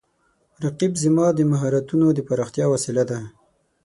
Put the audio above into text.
رقیب زما د مهارتونو د پراختیا وسیله ده